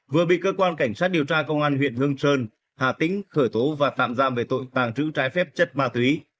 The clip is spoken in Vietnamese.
vừa bị cơ quan cảnh sát điều tra công an huyện hương sơn hà tĩnh khởi tố và tạm giam về tội tàng trữ trái phép chất ma túy